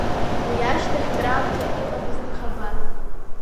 Уи ашьҭахь краамҭа иҟамызт ихабар.